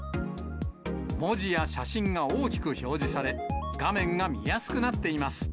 文字や写真が大きく表示され、画面が見やすくなっています。